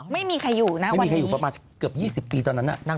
ไม่มีใครอยู่ประมาณเกือบ๒๐ปีตอนนั้น